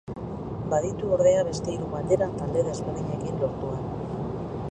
Baditu ordea beste hiru bandera talde desberdinekin lortuak.